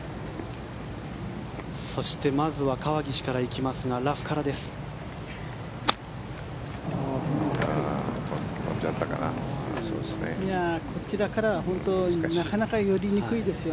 そして、まずは川岸から行きますがラフからです。